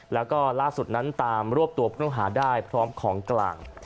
แล้วก็ล่าสุดนั้นตามรวบตัวปรุงหาด้ายพร้อมของกล่าง